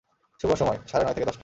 শুভ সময়, সাড়ে নয় থেকে দশটা।